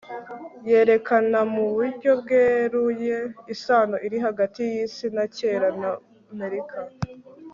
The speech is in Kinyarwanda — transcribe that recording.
yerekanamu buryo bweruye isano iri hagati yisi ya kera na amerika